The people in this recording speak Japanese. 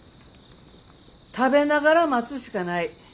食べながら待つしかない。